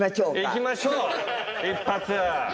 いきましょう、一発。